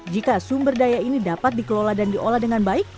jika sumber daya ini dapat dikelola dan diolah dengan baik